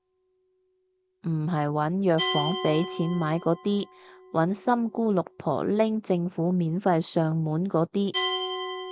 唔係搵藥房畀錢買嗰啲，搵三姑六婆拎政府免費送上門嗰啲